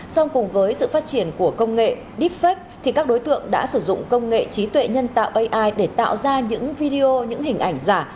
xong cùng với sự phát triển của công nghệ deepfake thì các đối tượng đã sử dụng công nghệ trí tuệ nhân tạo ai để tạo ra những video những hình ảnh giả